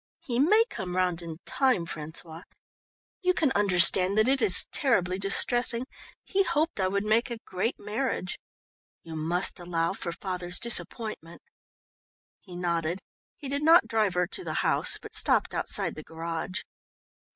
He may come round in time, François. You can understand that it is terribly distressing; he hoped I would make a great marriage. You must allow for father's disappointment." He nodded. He did not drive her to the house, but stopped outside the garage.